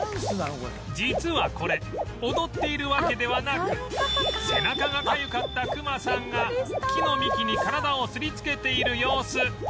実はこれ踊っているわけではなく背中がかゆかったクマさんが木の幹に体を擦りつけている様子